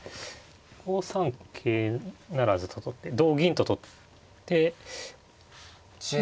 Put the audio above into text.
５三桂不成と取って同銀と取ってま